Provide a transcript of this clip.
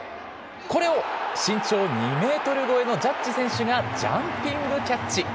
これを身長２ｍ超えのジャッジ選手がジャンピングキャッチ。